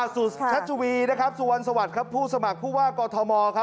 สุชัชวีสวัสดีครับผู้สมัครผู้ว่ากฎธมอล